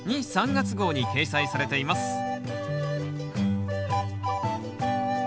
・３月号に掲載されています